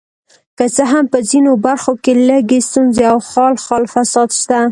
که څه هم په ځینو برخو کې لږې ستونزې او خال خال فساد شته.